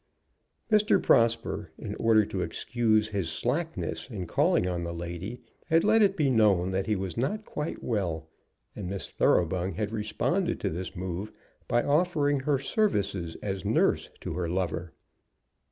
Mr. Prosper, in order to excuse his slackness in calling on the lady, had let it be known that he was not quite well, and Miss Thoroughbung had responded to this move by offering her services as nurse to her lover.